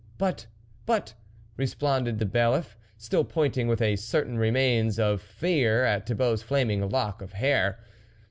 But, but ..." responded the Bailiff, still pointing with a certain remains of fear at Thibault's flaming lock of hair.